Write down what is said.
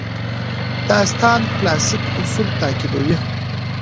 داستان کلاسیک اصول تعقیبوي.